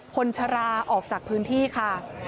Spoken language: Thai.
ชะลาออกจากพื้นที่ค่ะ